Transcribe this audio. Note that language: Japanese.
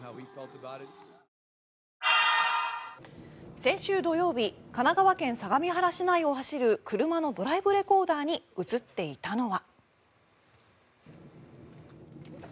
先週土曜日神奈川県相模原市内を走る車のドライブレコーダーに映っていたのは。